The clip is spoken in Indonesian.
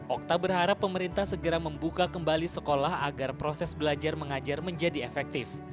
okta berharap pemerintah segera membuka kembali sekolah agar proses belajar mengajar menjadi efektif